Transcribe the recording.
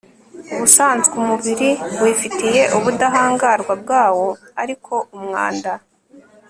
ubusanzwe umubiri wifitiye ubudahangarwa bwawo ariko umwanda